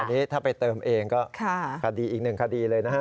อันนี้ถ้าไปเติมเองก็คดีอีกหนึ่งคดีเลยนะฮะ